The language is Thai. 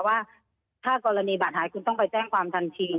ว่าถ้ากรณีบัตรหายคุณต้องไปแจ้งความทันที